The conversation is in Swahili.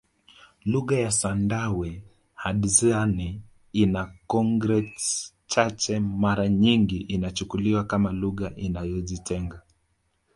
Lugha ya Sandawe Hadzane ina cognates chache mara nyingi inachukuliwa kama lugha inayojitenga